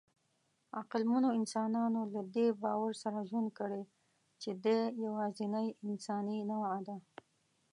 عقلمنو انسانانو له دې باور سره ژوند کړی، چې دی یواځینۍ انساني نوعه ده.